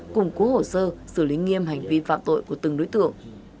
cùng cố hổ sơ xử lý nghiêm hành vi phạm tội của từng đối tượng